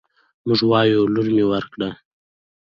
موږ وايو: لور مې ورکړ